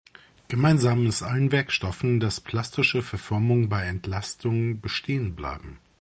Gemeinsam ist allen Werkstoffen, dass plastische Verformungen bei Entlastung bestehen bleiben.